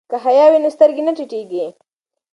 که حیا وي نو سترګې نه ټیټیږي.